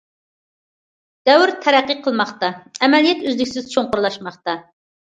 دەۋر تەرەققىي قىلماقتا، ئەمەلىيەت ئۈزلۈكسىز چوڭقۇرلاشماقتا.